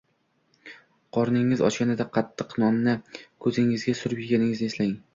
Qorningiz ochganida qattiq nonni ko`zingizga surib eganingizni eslang